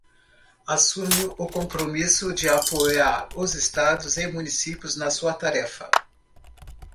assume o compromisso de apoiar os estados e municípios na sua tarefa